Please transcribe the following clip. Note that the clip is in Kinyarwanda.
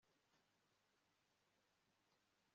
cyo nimugende mukwize inkuru nziza